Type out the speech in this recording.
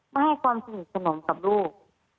ไม่ให้ความสนิทสนมกับลูก